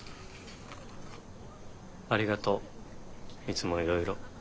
ありがとういつもいろいろ。